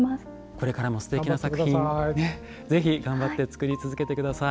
これからもすてきな作品ぜひ頑張って作り続けて下さい。